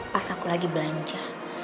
pas aku lagi belanja